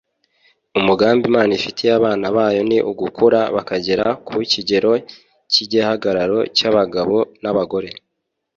umugambi imana ifitiye abana bayo ni ugukura bakagera ku kigero cy'igihagararo cy'abagabo n'abagore